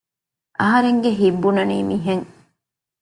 އަހަރެންގެ ހިތް ބުނަނީ މިހެން